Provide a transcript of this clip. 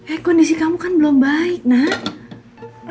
eh kondisi kamu kan belum baik nak